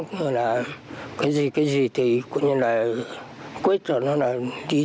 người mông thực hiện quét theo thứ tự trước tiên là quét nơi thờ tổ tiên